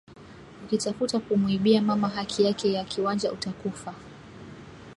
Ukitafuta ku mwibia mama haki yake ya kiwanja uta kufa